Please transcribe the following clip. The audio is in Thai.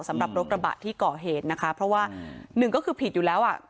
สำหรับรถกระบะที่ก่อเหตุนะคะเพราะว่าหนึ่งก็คือผิดอยู่แล้วอ่ะ